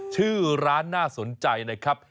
ชื่อร้านน่าสนใจนะครับ